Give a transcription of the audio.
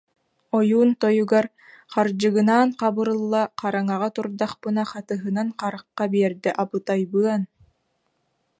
Ойуун тойугар: «Хардьыгынаан Хабырылла хараҥаҕа турдахпына хатыһынан харахха биэрдэ, абытайбыан